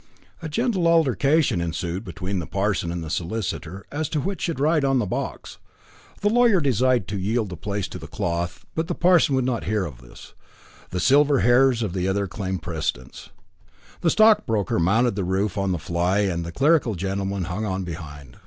A gentle altercation ensued between the parson and the solicitor, as to which should ride on the box. The lawyer desired to yield the place to "the cloth," but the parson would not hear of this the silver hairs of the other claimed precedence. The stockbroker mounted to the roof of the fly and the clerical gentleman hung on behind.